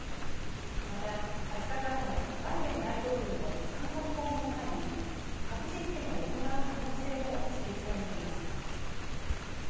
また、２０日からのバイデン大統領の韓国訪問前に核実験を行う可能性も指摘されています。